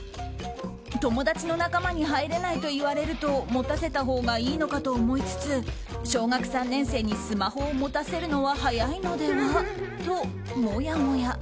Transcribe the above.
友達の仲間に入れないと言われると持たせたほうがいいのかと思いつつ小学３年生にスマホを持たせるのは早いのでは？ともやもや。